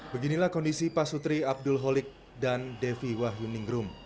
beginilah kondisi pak sutri abdul holik dan devi wahyuningrum